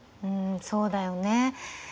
うんそうだよね。